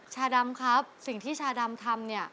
ชาดำครับสิ่งที่ชาดำทำเนี่ย